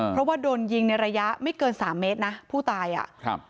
เพราะว่าโดนยิงในระยะไม่เกินสามเมตรนะผู้ตายอ่ะครับ